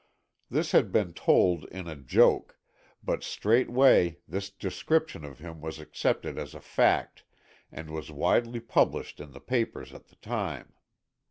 This had been told in a joke; but straightway this description of him was accepted as a fact and was widely published in the papers at the time.